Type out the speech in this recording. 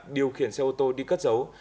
điều khiển xe ô tô đi cất giấu